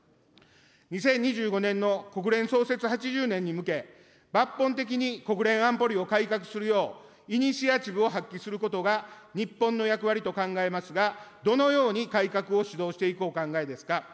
２０２５年の国連創設８０年に向け、抜本的に国連安保理を改革するよう、イニシアチブを発揮することが、日本の役割と考えますが、どのように改革を主導していくお考えですか。